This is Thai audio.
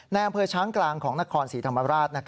ในอำเภอช้างกลางของนครศรีธรรมราช